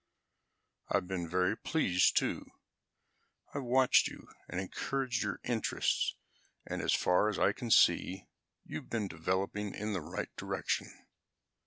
"I've been very pleased, too. I've watched you and encouraged your interests and, as far as I can see, you've been developing in the right direction."